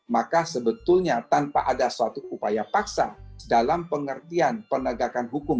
maka sebetulnya tanpa ada suatu upaya paksa dalam pengertian penegakan hukum